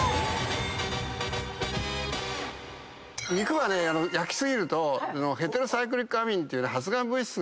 肉はね焼き過ぎるとヘテロサイクリックアミンっていう発がん物質ができるんだよね。